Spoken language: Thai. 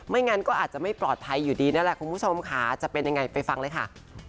งั้นก็อาจจะไม่ปลอดภัยอยู่ดีนั่นแหละคุณผู้ชมค่ะจะเป็นยังไงไปฟังเลยค่ะ